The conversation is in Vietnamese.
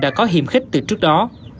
đã có hiểm khích từ trước đó